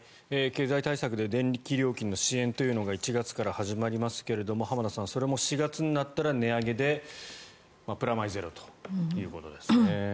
経済対策で電気料金の支援というのが１月から始まりますが浜田さんそれも４月になったら値上げでプラマイゼロということですね。